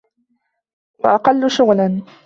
وَأَقَلُّ شُغْلًا